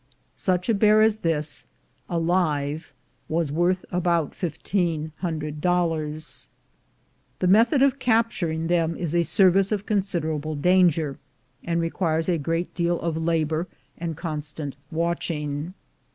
Such a bear as this, alive, was worth about fifteen hundred dollars. The method of capturing them is a service of considerable danger, and requires a great deal of labor and constant watching.